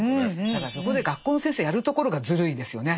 だからそこで学校の先生やるところがずるいですよね。